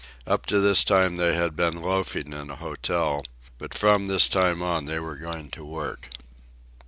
Up to this time they had been loafing in an hotel, but from this time on they were going to work.